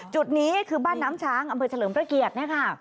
จุดนี้คือบ้านน้ำช้างอำเภอเฉลิมพระเกียรติเนี่ยค่ะ